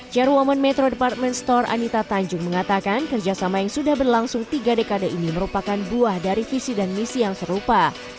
chairwoman metro department store anita tanjung mengatakan kerjasama yang sudah berlangsung tiga dekade ini merupakan buah dari visi dan misi yang serupa